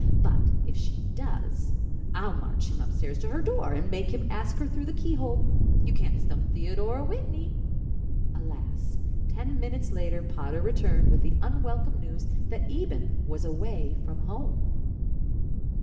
But if she does I'll march him upstairs to her door and make him ask her through the keyhole. You can't stump Theodora Whitney." Alas! Ten minutes later Potter returned with the unwelcome news that Eben was away from home.